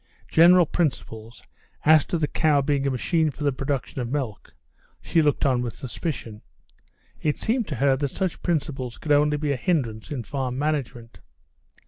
General principles, as to the cow being a machine for the production of milk, she looked on with suspicion. It seemed to her that such principles could only be a hindrance in farm management.